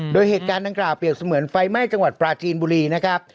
โดยเหตุการณ์ดังกล่าวเปรียบเสมือนไฟไหม้จังหวัดปราจีนบุรีนะครับ